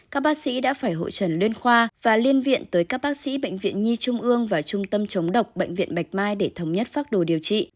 các bác sĩ đã phải hội trần liên khoa và liên viện tới các bác sĩ bệnh viện nhi trung ương và trung tâm chống độc bệnh viện bạch mai để thống nhất phác đồ điều trị